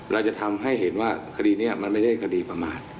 เราจะทำให้เห็นว่าคดีนี้มันไม่ใช่คดีประมาท